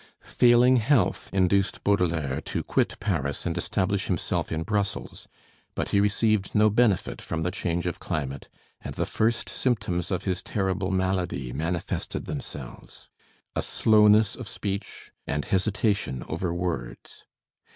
Failing health induced Baudelaire to quit Paris and establish himself in Brussels; but he received no benefit from the change of climate, and the first symptoms of his terrible malady manifested themselves a slowness of speech, and hesitation over words.